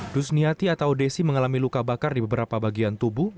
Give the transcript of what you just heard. dusniati atau desi mengalami luka bakar di beberapa bagian tubuh